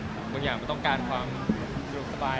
บางอย่างมันต้องการความสบาย